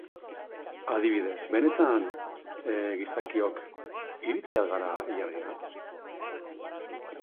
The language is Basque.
Jupiter batez ere gas eta likidoz osatuta dago.